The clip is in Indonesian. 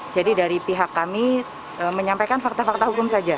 jadi dari pihak kami menyampaikan fakta fakta hukum saja